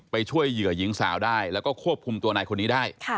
ไปช่วยเหยื่อหญิงสาวได้แล้วก็ควบคุมตัวนายคนนี้ได้